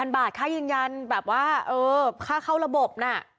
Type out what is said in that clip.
บาทค่ายืนยันแบบว่าเออค่าเข้าระบบน่ะ